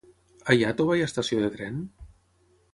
A Iàtova hi ha estació de tren?